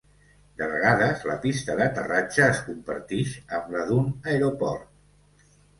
De vegades la pista d'aterratge es compartix amb la d'un aeroport.